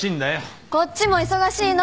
こっちも忙しいの。